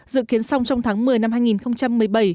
dự kiến xong trong tháng một mươi năm hai nghìn một mươi bảy